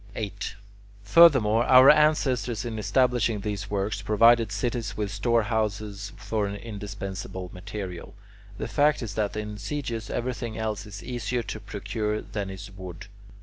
8. Furthermore, our ancestors in establishing these works provided cities with storehouses for an indispensable material. The fact is that in sieges everything else is easier to procure than is wood.